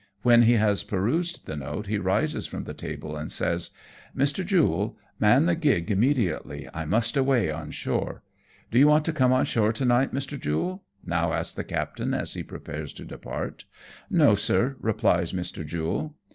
"When lie has perused the note he rises from the table, and says, —" Mr. Jule, man the gig immediately, I must away on shore. Do you want to come on shore to night, Mr. Jule ?" now asks the captain as he prepares to depart. " No, sir/' replies Mr. Jule.